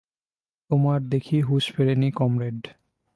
তোমার দেখি হুঁশ ফেরেনি, কমরেড।